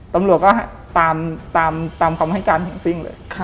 ตำรวจก็ตามคำให้กันของซิ่งเลย